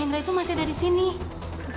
ya aku kesana sekarang ya